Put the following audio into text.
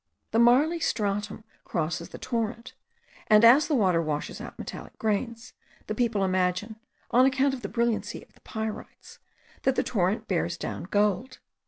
The marly stratum crosses the torrent; and, as the water washes out metallic grains, the people imagine, on account of the brilliancy of the pyrites, that the torrent bears down gold.